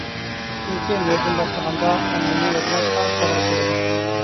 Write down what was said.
چۈنكى نۆلدىن باشلىغاندا ھەممىنى يادلاشقا توغرا كېلىدۇ.